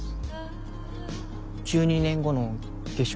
１２年後の月食？